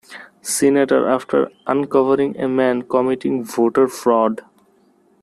Senator, after uncovering a man committing voter fraud.